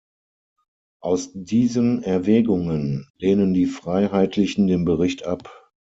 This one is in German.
Aus diesen Erwägungen lehnen die Freiheitlichen den Bericht ab.